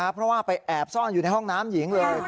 เพราะว่าไปแอบซ่อนอยู่ในห้องน้ำหญิงเลย